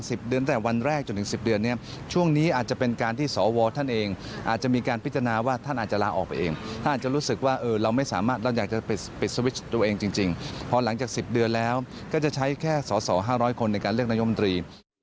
สิ่งที่เลือกนายกรัฐมนตรีเป็นปัญหาหลักในการเลือกนายกรัฐมนตรี